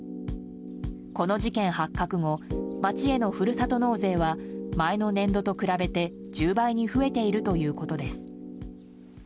この事件発覚後町へのふるさと納税は前の年度と比べて、１０倍に増えているということです。